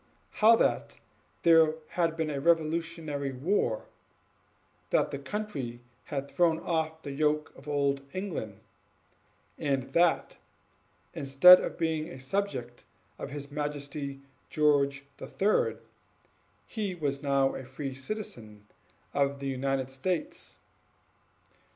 How that there had been a revolutionary war that the country had thrown off the yoke of old England and that, instead of being a subject of his Majesty George the Third, he was now a free citizen of the United States.